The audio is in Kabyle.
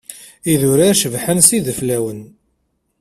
Idurar cebḥen s yideflawen.